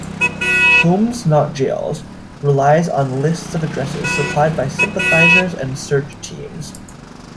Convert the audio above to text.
Homes Not Jails relies on lists of addresses supplied by sympathizers and search teams.